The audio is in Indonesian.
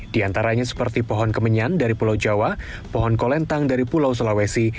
di antaranya seperti pohon kemenyan dari pulau jawa pohon kolentang dari pulau sulawesi